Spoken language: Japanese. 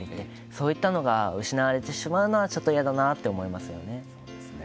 そういったのが失われてしまうのは嫌だなと思いますよね。